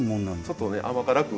ちょっとね甘辛く。